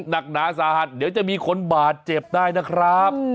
หนักหนาสาหัสเดี๋ยวจะมีคนบาดเจ็บได้นะครับ